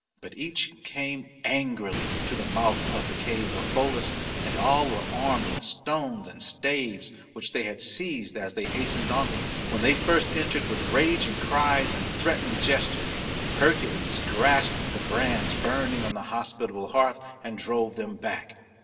But each came angrily to the mouth of the cave of Pholus and all were armed with stones and staves which they had seized as they hastened onward. When they first entered with raging cries and threatening gesture Hercules grasped the brands burning on the hospitable hearth and drove them back.